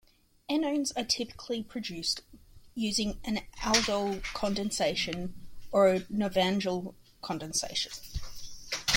Enones are typically produced using an Aldol condensation or Knoevenagel condensation.